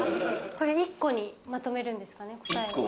１個にまとめるんですかね、答えを。